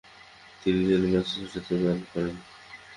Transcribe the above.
তিনি জেনেভা সোসাইটিতে দান করেন।